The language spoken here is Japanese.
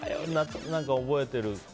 何か覚えてるのは？